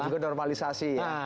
dan juga normalisasi ya